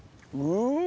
うん！